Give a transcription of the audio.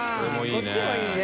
こっちもいいね